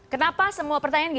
kenapa semua pertanyaan gini